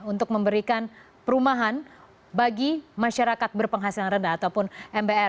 untuk memberikan perumahan bagi masyarakat berpenghasilan rendah ataupun mbr